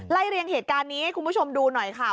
เรียงเหตุการณ์นี้ให้คุณผู้ชมดูหน่อยค่ะ